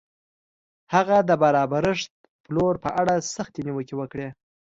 هغه د برابرښت پلور په اړه سختې نیوکې وکړې.